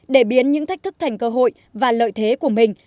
khiến những thách thức thành cơ hội và lợi thế của mình